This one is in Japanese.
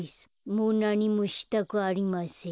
もうなにもしたくありません。